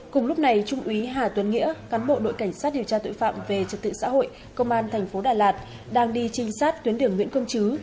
cùng lúc này trung úy hà tuấn nghĩa cán bộ đội cảnh sát điều tra tội phạm về trật tự xã hội công an thành phố đà lạt đang đi trinh sát tuyến đường nguyễn công chứ